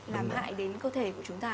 làm hại đến cơ thể của chúng ta